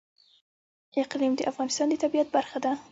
اقلیم د افغانستان د طبیعت برخه ده.